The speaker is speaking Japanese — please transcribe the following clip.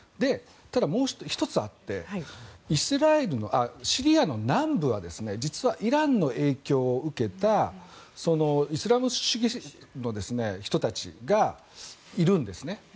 ただ、もう１つあってシリアの南部は実はイランの影響を受けたイスラム主義の人たちがいるんですね。